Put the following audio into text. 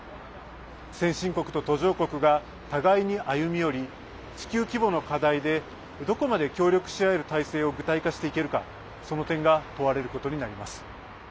先進国と途上国が互いに歩み寄り地球規模の課題でどこまで協力し合える体制を具体化していけるかその点が問われることになります。